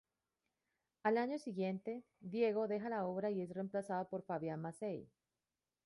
Al año siguiente, Diego deja la obra y es reemplazado por Fabián Mazzei.